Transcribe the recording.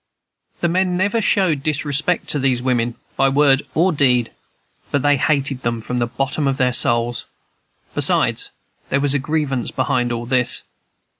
The men never showed disrespect to these women by word or deed, but they hated them from the bottom of their souls. Besides, there was a grievance behind all this.